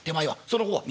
「その方は？」。